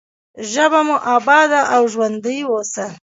ژبه مو اباده او ژوندۍ اوسه.